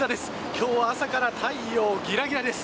今日は朝から太陽ギラギラです。